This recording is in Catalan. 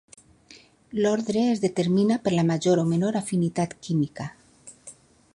L'ordre es determina per la major o menor afinitat química.